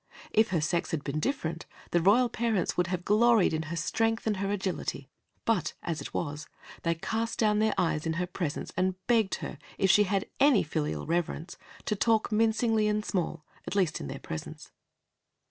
If her sex had been different, the royal parents would have gloried in her strength and her agility, but as it was, they cast down their eyes in her presence and begged her, if she had any filial reverence, to talk mincingly and small, at least in their presence.